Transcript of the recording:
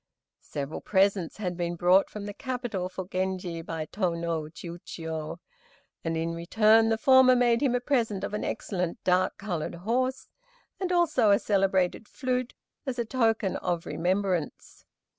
Several presents had been brought from the capital for Genji by Tô no Chiûjiô, and, in return, the former made him a present of an excellent dark colored horse, and also a celebrated flute, as a token of remembrance.